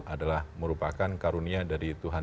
adalah merupakan karunia dari tuhan